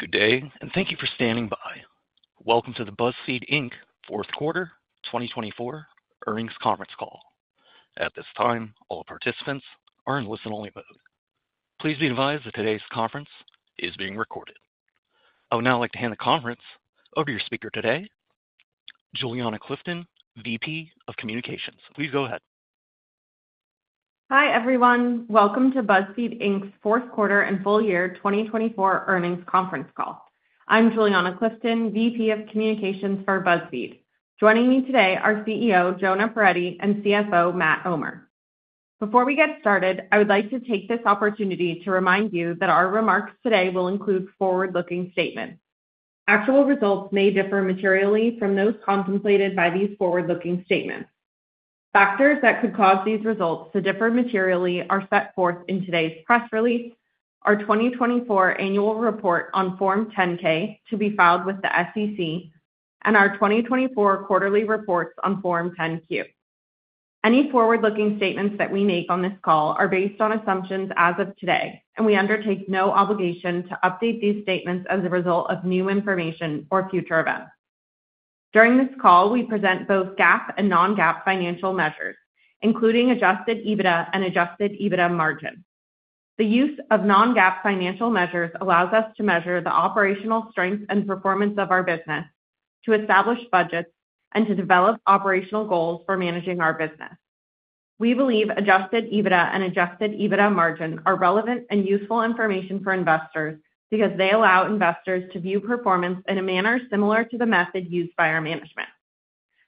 Good day, and thank you for standing by. Welcome to the BuzzFeed Fourth Quarter 2024 Earnings Conference Call. At this time, all participants are in listen-only mode. Please be advised that today's conference is being recorded. I would now like to hand the conference over to your speaker today, Juliana Clifton, VP of Communications. Please go ahead. Hi, everyone. Welcome to BuzzFeed's Fourth Quarter and Full Year 2024 Earnings Conference Call. I'm Juliana Clifton, VP of Communications for BuzzFeed. Joining me today are CEO Jonah Peretti and CFO Matt Omer. Before we get started, I would like to take this opportunity to remind you that our remarks today will include forward-looking statements. Actual results may differ materially from those contemplated by these forward-looking statements. Factors that could cause these results to differ materially are set forth in today's press release, our 2024 annual report on Form 10-K to be filed with the SEC, and our 2024 quarterly reports on Form 10-Q. Any forward-looking statements that we make on this call are based on assumptions as of today, and we undertake no obligation to update these statements as a result of new information or future events. During this call, we present both GAAP and non-GAAP financial measures, including Adjusted EBITDA and Adjusted EBITDA margin. The use of non-GAAP financial measures allows us to measure the operational strength and performance of our business, to establish budgets, and to develop operational goals for managing our business. We believe Adjusted EBITDA and Adjusted EBITDA margin are relevant and useful information for investors because they allow investors to view performance in a manner similar to the method used by our management.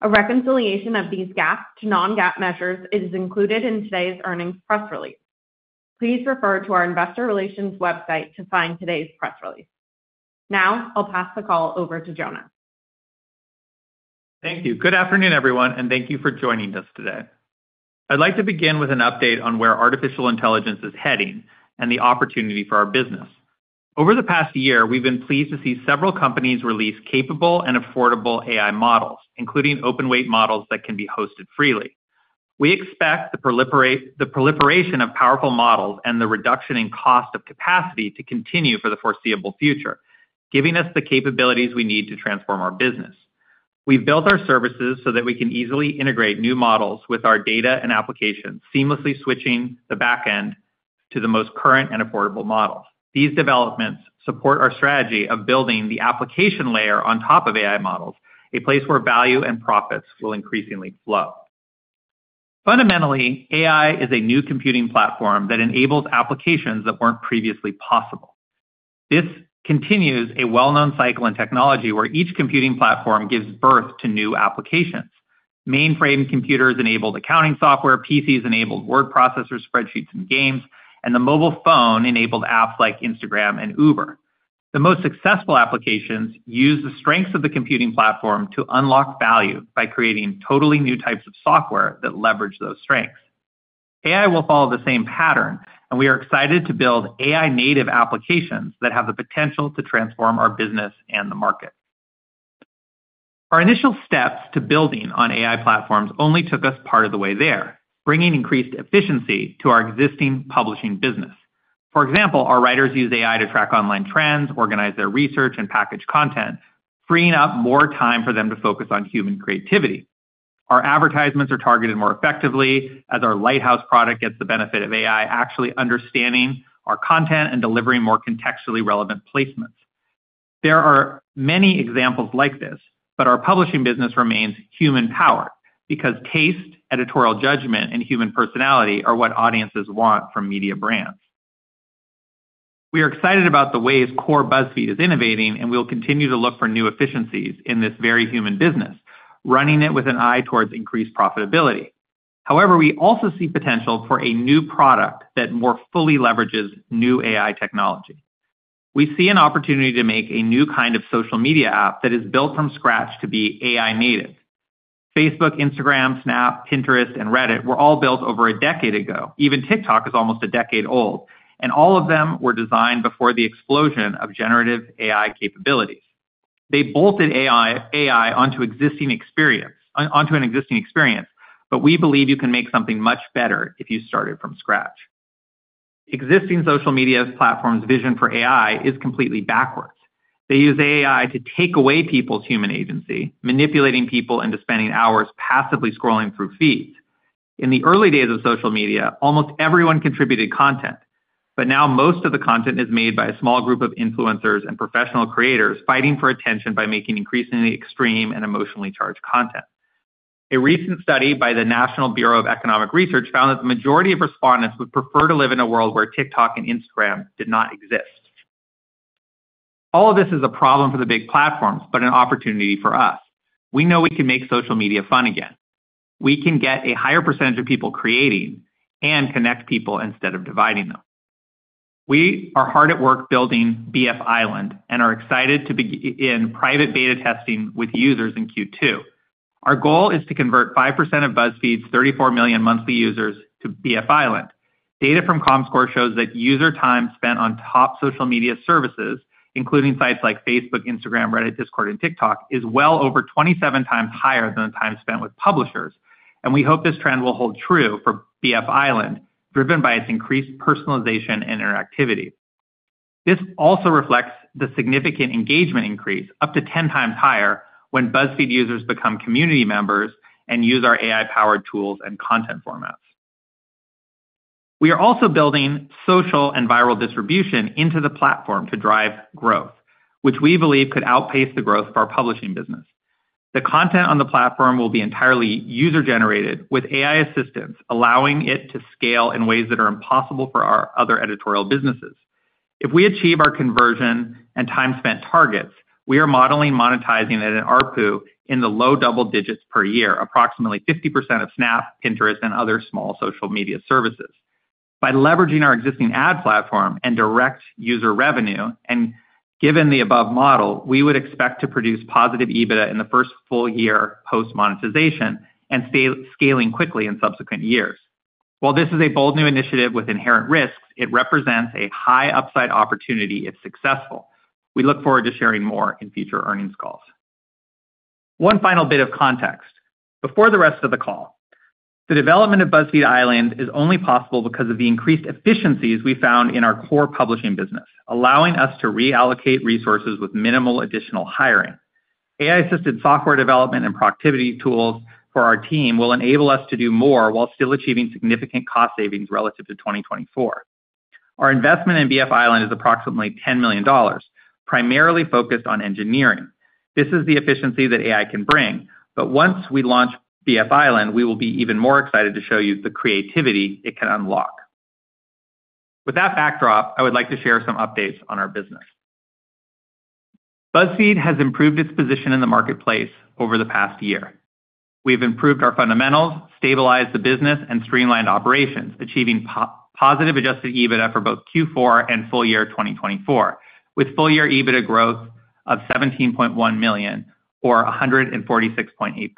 A reconciliation of these GAAP to non-GAAP measures is included in today's earnings press release. Please refer to our investor relations website to find today's press release. Now, I'll pass the call over to Jonah. Thank you. Good afternoon, everyone, and thank you for joining us today. I'd like to begin with an update on where artificial intelligence is heading and the opportunity for our business. Over the past year, we've been pleased to see several companies release capable and affordable AI models, including open-weight models that can be hosted freely. We expect the proliferation of powerful models and the reduction in cost of capacity to continue for the foreseeable future, giving us the capabilities we need to transform our business. We've built our services so that we can easily integrate new models with our data and applications, seamlessly switching the back end to the most current and affordable models. These developments support our strategy of building the application layer on top of AI models, a place where value and profits will increasingly flow. Fundamentally, AI is a new computing platform that enables applications that weren't previously possible. This continues a well-known cycle in technology where each computing platform gives birth to new applications. Mainframe computers enabled accounting software, PCs enabled word processors, spreadsheets, and games, and the mobile phone enabled apps like Instagram and Uber. The most successful applications use the strengths of the computing platform to unlock value by creating totally new types of software that leverage those strengths. AI will follow the same pattern, and we are excited to build AI-native applications that have the potential to transform our business and the market. Our initial steps to building on AI platforms only took us part of the way there, bringing increased efficiency to our existing publishing business. For example, our writers use AI to track online trends, organize their research, and package content, freeing up more time for them to focus on human creativity. Our advertisements are targeted more effectively as our Lighthouse product gets the benefit of AI actually understanding our content and delivering more contextually relevant placements. There are many examples like this, but our publishing business remains human-powered because taste, editorial judgment, and human personality are what audiences want from media brands. We are excited about the ways core BuzzFeed is innovating, and we will continue to look for new efficiencies in this very human business, running it with an eye towards increased profitability. However, we also see potential for a new product that more fully leverages new AI technology. We see an opportunity to make a new kind of social media app that is built from scratch to be AI-native. Facebook, Instagram, Snap, Pinterest, and Reddit were all built over a decade ago. Even TikTok is almost a decade old, and all of them were designed before the explosion of generative AI capabilities. They bolted AI onto an existing experience, but we believe you can make something much better if you start it from scratch. Existing social media platforms' vision for AI is completely backwards. They use AI to take away people's human agency, manipulating people into spending hours passively scrolling through feeds. In the early days of social media, almost everyone contributed content, but now most of the content is made by a small group of influencers and professional creators fighting for attention by making increasingly extreme and emotionally charged content. A recent study by the National Bureau of Economic Research found that the majority of respondents would prefer to live in a world where TikTok and Instagram did not exist. All of this is a problem for the big platforms, but an opportunity for us. We know we can make social media fun again. We can get a higher percentage of people creating and connect people instead of dividing them. We are hard at work building BF Island and are excited to begin private beta testing with users in Q2. Our goal is to convert 5% of BuzzFeed's 34 million monthly users to BF Island. Data from Comscore shows that user time spent on top social media services, including sites like Facebook, Instagram, Reddit, Discord, and TikTok, is well over 27x higher than the time spent with publishers, and we hope this trend will hold true for BF Island, driven by its increased personalization and interactivity. This also reflects the significant engagement increase, up to 10x higher, when BuzzFeed users become community members and use our AI-powered tools and content formats. We are also building social and viral distribution into the platform to drive growth, which we believe could outpace the growth of our publishing business. The content on the platform will be entirely user-generated, with AI assistance allowing it to scale in ways that are impossible for our other editorial businesses. If we achieve our conversion and time-spent targets, we are modeling monetizing at an ARPU in the low double digits per year, approximately 50% of Snap, Pinterest, and other small social media services. By leveraging our existing ad platform and direct user revenue, and given the above model, we would expect to produce positive EBITDA in the first full year post-monetization and scaling quickly in subsequent years. While this is a bold new initiative with inherent risks, it represents a high upside opportunity if successful. We look forward to sharing more in future earnings calls. One final bit of context before the rest of the call. The development of BF Island is only possible because of the increased efficiencies we found in our core publishing business, allowing us to reallocate resources with minimal additional hiring. AI-assisted software development and productivity tools for our team will enable us to do more while still achieving significant cost savings relative to 2024. Our investment in BF Island is approximately $10 million, primarily focused on engineering. This is the efficiency that AI can bring, but once we launch BF Island, we will be even more excited to show you the creativity it can unlock. With that backdrop, I would like to share some updates on our business. BuzzFeed has improved its position in the marketplace over the past year. We have improved our fundamentals, stabilized the business, and streamlined operations, achieving positive Adjusted EBITDA for both Q4 and full year 2024, with full year EBITDA growth of $17.1 million or 146.8%. We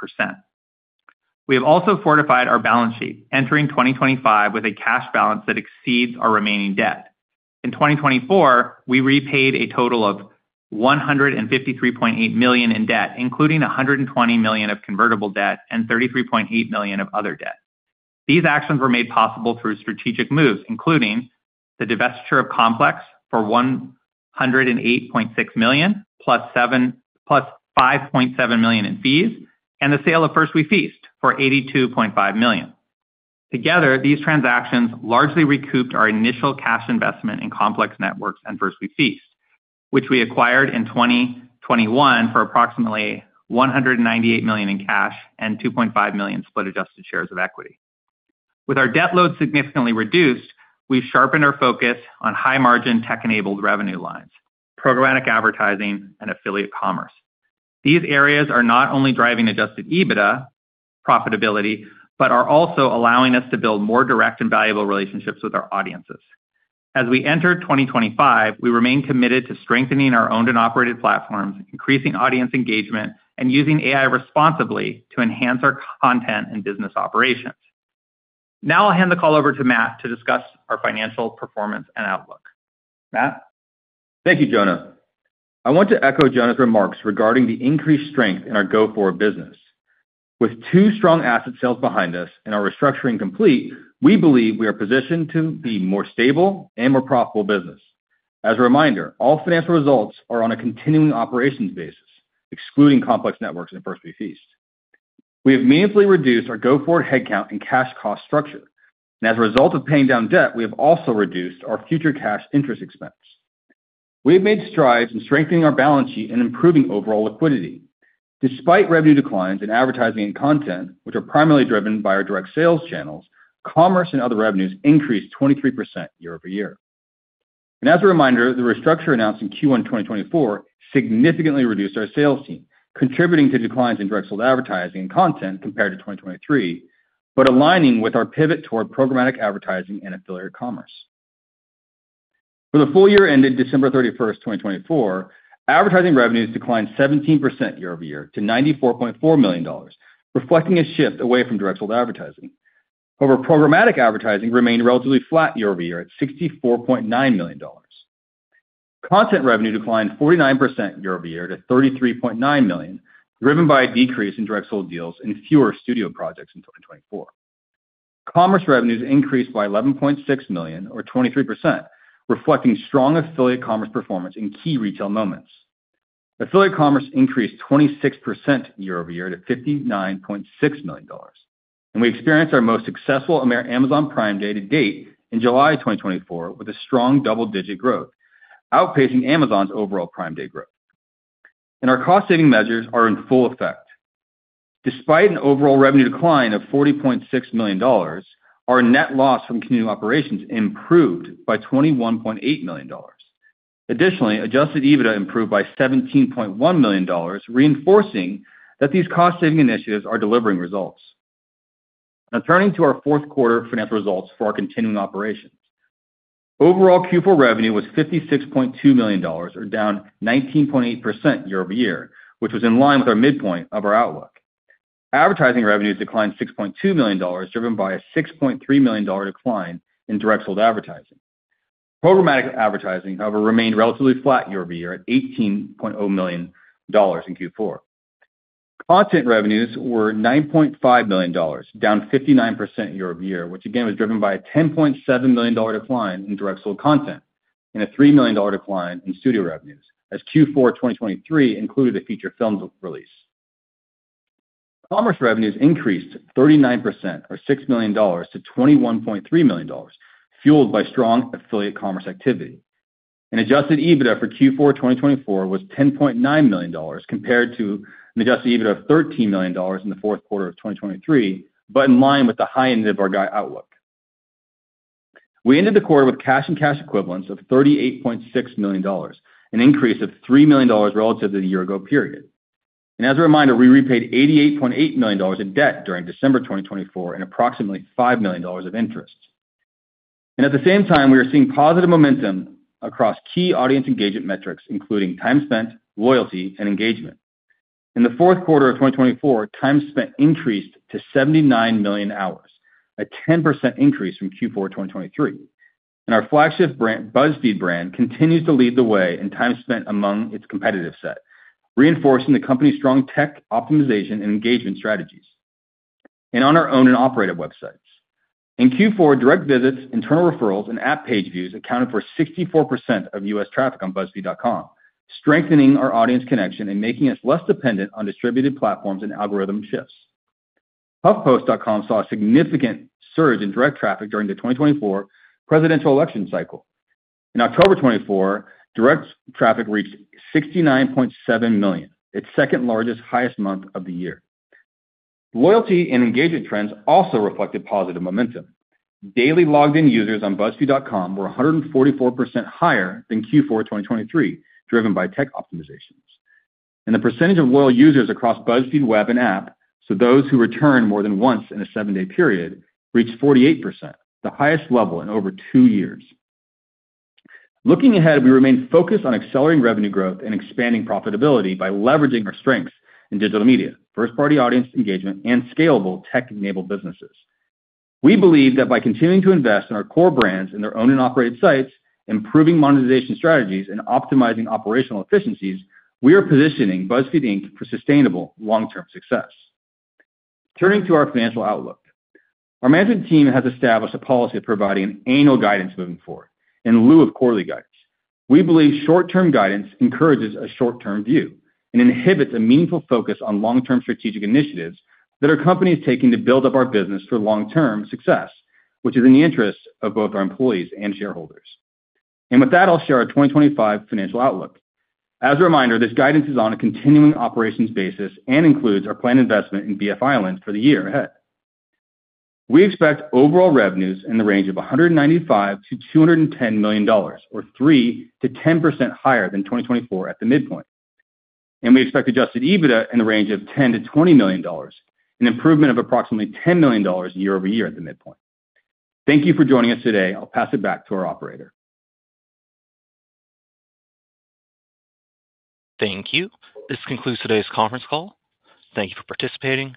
have also fortified our balance sheet, entering 2025 with a cash balance that exceeds our remaining debt. In 2024, we repaid a total of $153.8 million in debt, including $120 million of convertible debt and $33.8 million of other debt. These actions were made possible through strategic moves, including the divestiture of Complex for $108.6 million, plus $5.7 million in fees, and the sale of First We Feast for $82.5 million. Together, these transactions largely recouped our initial cash investment in Complex Networks and First We Feast, which we acquired in 2021 for approximately $198 million in cash and 2.5 million split-adjusted shares of equity. With our debt load significantly reduced, we've sharpened our focus on high-margin tech-enabled revenue lines, programmatic advertising, and affiliate commerce. These areas are not only driving Adjusted EBITDA profitability, but are also allowing us to build more direct and valuable relationships with our audiences. As we enter 2025, we remain committed to strengthening our owned and operated platforms, increasing audience engagement, and using AI responsibly to enhance our content and business operations. Now I'll hand the call over to Matt to discuss our financial performance and outlook. Matt. Thank you, Jonah. I want to echo Jonah's remarks regarding the increased strength in our go-forward business. With two strong asset sales behind us and our restructuring complete, we believe we are positioned to be a more stable and more profitable business. As a reminder, all financial results are on a continuing operations basis, excluding Complex Networks and First We Feast. We have meaningfully reduced our go-forward headcount and cash cost structure. As a result of paying down debt, we have also reduced our future cash interest expense. We have made strides in strengthening our balance sheet and improving overall liquidity. Despite revenue declines in advertising and content, which are primarily driven by our direct sales channels, commerce and other revenues increased 23% year over year. As a reminder, the restructure announced in Q1 2024 significantly reduced our sales team, contributing to declines in direct-sold advertising and content compared to 2023, but aligning with our pivot toward programmatic advertising and affiliate commerce. For the full year ended December 31, 2024, advertising revenues declined 17% year-over-year to $94.4 million, reflecting a shift away from direct-sold advertising. However, programmatic advertising remained relatively flat year-over-year at $64.9 million. Content revenue declined 49% year-over-year to $33.9 million, driven by a decrease in direct-sold deals and fewer studio projects in 2024. Commerce revenues increased by $11.6 million, or 23%, reflecting strong affiliate commerce performance in key retail moments. Affiliate commerce increased 26% year over year to $59.6 million. We experienced our most successful Amazon Prime Day to date in July 2024, with a strong double-digit growth, outpacing Amazon's overall Prime Day growth. Our cost-saving measures are in full effect. Despite an overall revenue decline of $40.6 million, our net loss from continuing operations improved by $21.8 million. Additionally, Adjusted EBITDA improved by $17.1 million, reinforcing that these cost-saving initiatives are delivering results. Turning to our fourth quarter financial results for our continuing operations, overall Q4 revenue was $56.2 million, or down 19.8% year over year, which was in line with our midpoint of our outlook. Advertising revenues declined $6.2 million, driven by a $6.3 million decline in direct-sold advertising. Programmatic advertising, however, remained relatively flat year over year at $18.0 million in Q4. Content revenues were $9.5 million, down 59% year over year, which again was driven by a $10.7 million decline in direct-sold content and a $3 million decline in studio revenues, as Q4 2023 included a feature film release. Commerce revenues increased 39%, or $6 million, to $21.3 million, fueled by strong affiliate commerce activity. Adjusted EBITDA for Q4 2024 was $10.9 million, compared to an Adjusted EBITDA of $13 million in the fourth quarter of 2023, but in line with the high-end of our outlook. We ended the quarter with cash and cash equivalents of $38.6 million, an increase of $3 million relative to the year-ago period. As a reminder, we repaid $88.8 million in debt during December 2024 and approximately $5 million of interest. At the same time, we are seeing positive momentum across key audience engagement metrics, including time spent, loyalty, and engagement. In the fourth quarter of 2024, time spent increased to 79 million hours, a 10% increase from Q4 2023. Our flagship BuzzFeed brand continues to lead the way in time spent among its competitive set, reinforcing the company's strong tech optimization and engagement strategies. On our owned and operated websites, in Q4, direct visits, internal referrals, and app page views accounted for 64% of U.S. traffic on buzzfeed.com, strengthening our audience connection and making us less dependent on distributed platforms and algorithm shifts. HuffPost.com saw a significant surge in direct traffic during the 2024 presidential election cycle. In October 2024, direct traffic reached 69.7 million, its second largest month of the year. Loyalty and engagement trends also reflected positive momentum. Daily logged-in users on buzzfeed.com were 144% higher than Q4 2023, driven by tech optimizations. The percentage of loyal users across BuzzFeed web and app, so those who return more than once in a seven-day period, reached 48%, the highest level in over two years. Looking ahead, we remain focused on accelerating revenue growth and expanding profitability by leveraging our strengths in digital media, first-party audience engagement, and scalable tech-enabled businesses. We believe that by continuing to invest in our core brands and their owned and operated sites, improving monetization strategies, and optimizing operational efficiencies, we are positioning BuzzFeed for sustainable long-term success. Turning to our financial outlook, our management team has established a policy of providing annual guidance moving forward in lieu of quarterly guidance. We believe short-term guidance encourages a short-term view and inhibits a meaningful focus on long-term strategic initiatives that our company is taking to build up our business for long-term success, which is in the interest of both our employees and shareholders. With that, I'll share our 2025 financial outlook. As a reminder, this guidance is on a continuing operations basis and includes our planned investment in BF Island for the year ahead. We expect overall revenues in the range of $195-$210 million, or 3-10% higher than 2024 at the midpoint. We expect Adjusted EBITDA in the range of $10-$20 million, an improvement of approximately $10 million year over year at the midpoint. Thank you for joining us today. I'll pass it back to our operator. Thank you. This concludes today's conference call. Thank you for participating.